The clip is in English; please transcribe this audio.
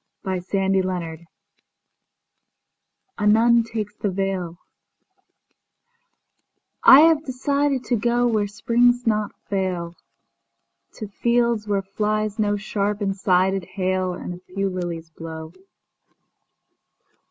Heaven—Haven A nun takes the veilI HAVE desired to goWhere springs not fail, To fields where flies no sharp and sided hailAnd a few lilies blow.